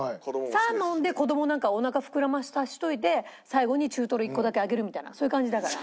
サーモンで子どもなんかおなか膨らまさせといて最後に中トロ１個だけあげるみたいなそういう感じだから。